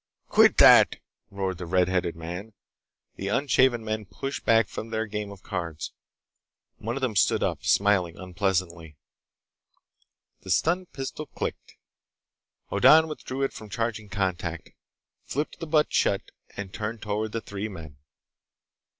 "Quit that!" roared the red headed man. The unshaven men pushed back from their game of cards. One of them stood up, smiling unpleasantly. The stun pistol clicked. Hoddan withdrew it from charging contact, flipped the butt shut, and turned toward the three men.